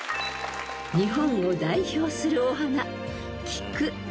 ［日本を代表するお花キク］